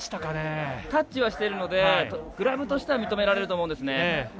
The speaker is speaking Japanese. タッチはしているのでグラブとしては認められると思うんですね。